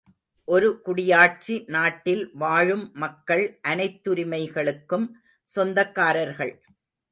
ஒரு குடியாட்சி நாட்டில் வாழும் மக்கள் அனைத்துரிமைகளுக்கும் சொந்தக்காரர்கள்.